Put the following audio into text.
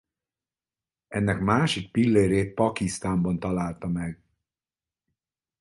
Ennek másik pillérét Pakisztánban találta meg.